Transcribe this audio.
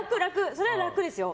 そりゃ楽ですよ。